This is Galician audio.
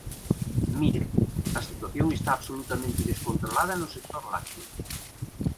Mire, a situación está absolutamente descontrolada no sector lácteo.